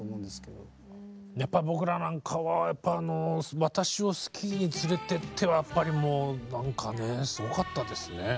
やっぱ僕らなんかはやっぱあの「私をスキーに連れてって」はやっぱりもうなんかねすごかったですね。